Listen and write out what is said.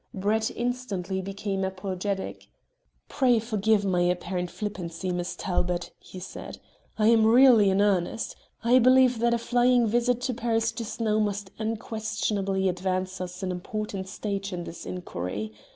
Brett instantly became apologetic. "Pray forgive my apparent flippancy, Miss Talbot," he said. "I am really in earnest. I believe that a flying visit to Paris just now must unquestionably advance us an important stage in this inquiry.